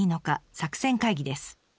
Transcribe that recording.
作戦会議です。